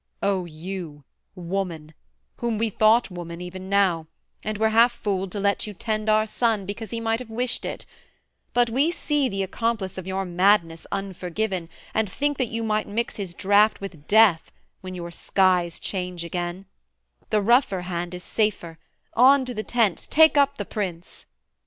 'O you, Woman, whom we thought woman even now, And were half fooled to let you tend our son, Because he might have wished it but we see, The accomplice of your madness unforgiven, And think that you might mix his draught with death, When your skies change again: the rougher hand Is safer: on to the tents: take up the Prince.'